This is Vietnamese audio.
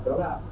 bị cấm đi đâu